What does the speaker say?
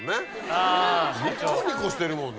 ニコニコしてるもんね。